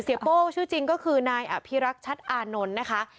โป้ชื่อจริงก็คือนายอภิรักษ์ชัดอานนท์นะคะ